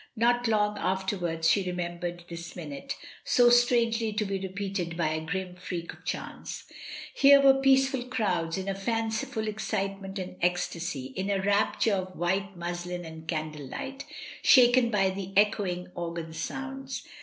Not long afterwards she remem bered this minute, so strangely to be repeated by a grim freak of chance. Here were peaceful crowds in a fanciful excitement and ecstasy, in a rapture of white muslin and candlelight, shaken by the echoing organ sounds.